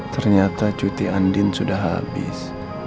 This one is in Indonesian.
ternyata cutian din sudah habis